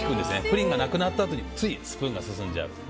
プリンがなくなったあとについスプーンが進んじゃう。